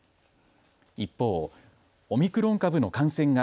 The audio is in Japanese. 一方、オミクロン株の感染が